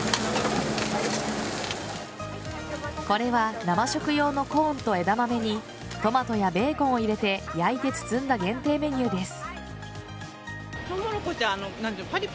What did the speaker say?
これは生食用のコーンと枝豆にトマトやベーコンを入れて焼いて包んだ限定メニューです。